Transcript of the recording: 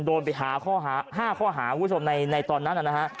โดนไปหาข้อหา๕ข้อหาคุณผู้ชมในตอนนั้นนะฮะ